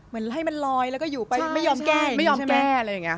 เหมือนให้มันลอยแล้วก็อยู่ไปไม่ยอมแก้อย่างเงี้ย